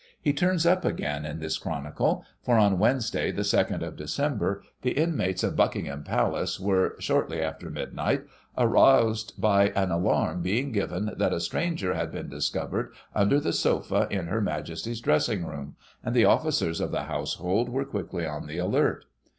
He turns up again in this chronicle, for, on Wednesday, the 2nd of December, the inmates of Buckingham Palace were, shortly after midnight, aroused by an alarm being given that a stranger had been discovered under the sofa in Her Majesty's dressing room, and the officers of the household were quickly on the alert.